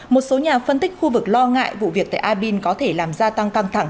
một số nhà phân tích khu vực lo ngại vụ việc tại abin có thể làm gia tăng căng thẳng